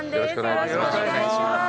よろしくお願いします。